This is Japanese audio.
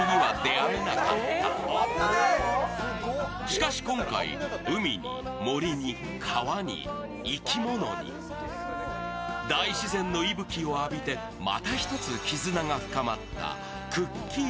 諦めかけた、そのときしかし、今回、海に、森に、川に、生き物に、大自然の息吹を浴びてまた一つ絆が深まったくっきー！